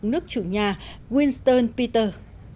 nước chủ nhà winston peter